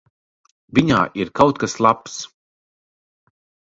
Viņā ir kaut kas labs.